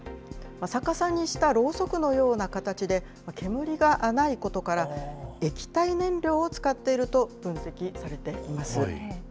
逆さにしたろうそくのような形で、煙がないことから、液体燃料を使っていると分析されています。